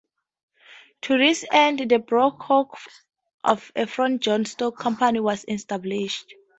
To this end the Brockhaus-Efron joint stock company was established.